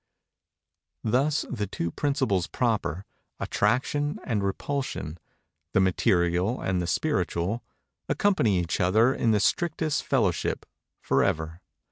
Thus the two Principles Proper, Attraction and Repulsion—the Material and the Spiritual—accompany each other, in the strictest fellowship, forever.